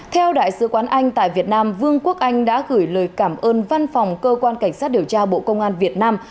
theo đại sứ quán anh tại việt nam vương quốc anh đã gửi lời cảm ơn văn phòng cơ quan cảnh sát điều tra bộ công an việt nam